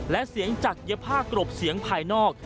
และเสียงจักรยภาคกรบเสียงภายนอก